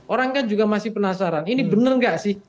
orang kan juga masih penasaran ini bener gak sih